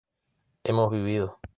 hemos vivido